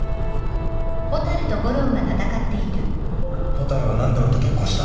蛍は何で俺と結婚した？